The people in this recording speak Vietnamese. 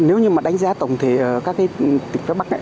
nếu như đánh giá tổng thể các tỉnh phía bắc